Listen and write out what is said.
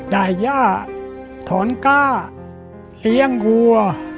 ย่าถอนก้าเลี้ยงวัว